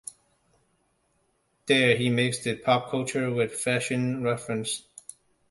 There he mixed pop culture with fashion references.